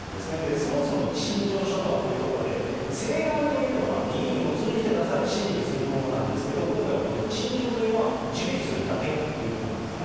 そもそも陳情書とはというところで、請願というのは、議員を通じて出され審議するものなんですが、今回のこの陳情書というのは、受理するだけということなんですね。